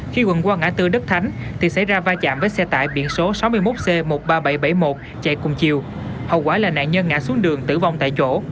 khi quận qua ngã tư đức thánh thì xảy ra va chạm với xe tải biển số sáu mươi một c một mươi ba nghìn bảy trăm bảy mươi một chạy cùng chiều hậu quả là nạn nhân ngã xuống đường tử vong tại chỗ